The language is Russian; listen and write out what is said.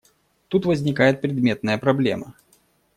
Тут возникает предметная проблема.